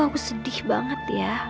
aku sedih banget ya